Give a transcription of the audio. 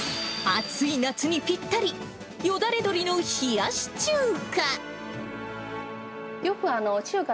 暑い夏にぴったり、よだれ鶏の冷やし中華。